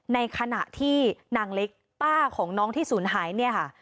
ในขณะที่นางเล็กป้าของน้องที่ศูนย์หายเนี่ยค่ะ